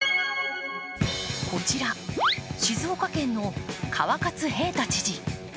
こちら、静岡県の川勝平太知事。